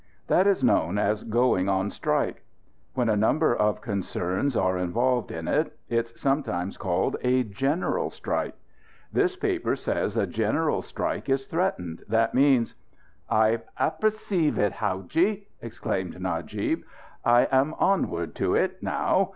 That is known as 'going on strike.' When a number of concerns are involved in it, it's sometimes called 'a general strike.' This paper says a general strike is threatened. That means " "I apperceive it, howadji!" exclaimed Najib. "I am onward to it, now.